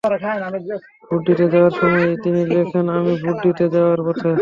Vote দিতে যাওয়ার সময় তিনি লেখেন, আমি ভোট দিতে যাওয়ার পথে।